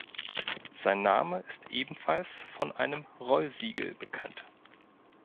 Sein Name ist ebenfalls von einem Rollsiegel bekannt.